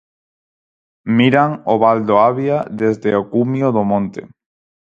Miran o val do Avia desde o cumio do monte.